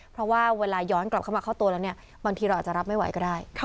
เพราะว่าเวลาย้อนกลับเข้ามาเข้าตัวแล้วเนี่ยบางทีเราอาจจะรับไม่ไหวก็ได้